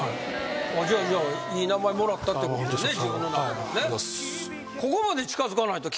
じゃあいい名前もらったってことね。